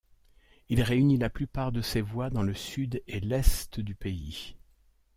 Il réunit la plupart de ses voix dans le sud et l'est du pays.